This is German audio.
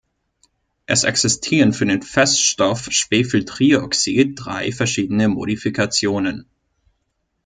Es existieren für den Feststoff Schwefeltrioxid drei verschiedene Modifikationen.